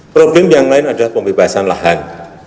problem yang lain adalah pembebasan lahan